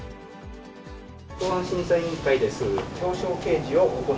公安審査委員会です。